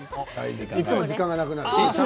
いつも時間がなくなる。